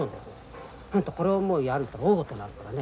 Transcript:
これをもうやると大ごとなるからね。